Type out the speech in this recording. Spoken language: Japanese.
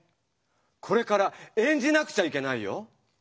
これから演じなくちゃいけないよ。